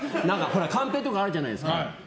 カンペとかあるじゃない。